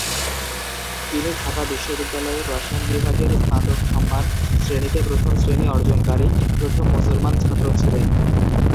তিনি ঢাকা বিশ্ববিদ্যালয়ের রসায়ন বিভাগের স্নাতক সম্মান শ্রেণিতে প্রথম শ্রেণি অর্জনকারী প্রথম মুসলমান ছাত্র ছিলেন।